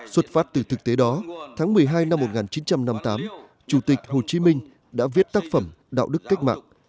xuất phát từ thực tế đó tháng một mươi hai năm một nghìn chín trăm năm mươi tám chủ tịch hồ chí minh đã viết tác phẩm đạo đức cách mạng